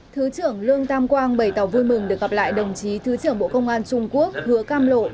thứ trưởng lương tam quang bày tỏ vui mừng được gặp lại đồng chí thứ trưởng bộ công an trung quốc hứa cam lộ